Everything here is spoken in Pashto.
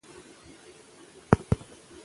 د سکرین وخت کم کړئ.